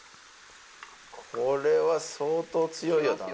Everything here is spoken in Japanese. これは相当強いよ